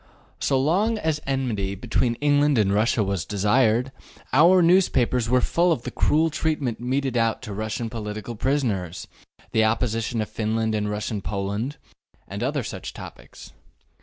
So long as enmity between England and Russia was desired, our newspapers were full of the cruel treatment meted out to Russian political prisoners, the oppression of Finland and Russian Poland, and other such topics.